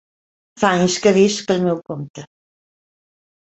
Fa anys que visc pel meu compte.